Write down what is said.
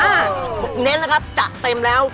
อ้าวเด็กนะครับจะเต็มแล้ว